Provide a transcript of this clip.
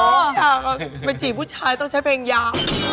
ไม่อยากมาจีบผู้ชายต้องใช้เพลงย้ำ